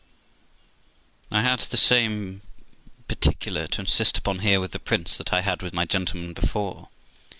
I had the same particular to insist upon here with the prince that I had with my gentleman before.